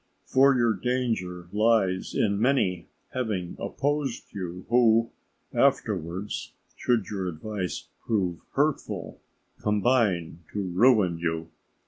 For your danger lies in many having opposed you, who afterwards, should your advice prove hurtful, combine to ruin you.